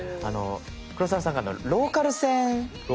黒沢さんがローカル線。